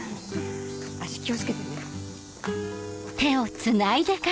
足気を付けてね。